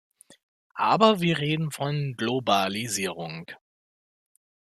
Aber wir reden von Globalisierung.